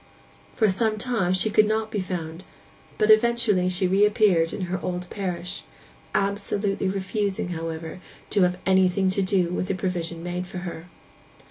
For some time she could not be found; but eventually she reappeared in her old parish,—absolutely refusing, however, to have anything to do with the provision made for her.